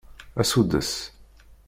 Asuddes.